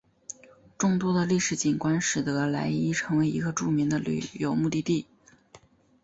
众多的历史景观使得莱伊成为一个著名的旅游目的地。